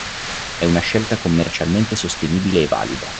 È una scelta commercialmente sostenibile e valida.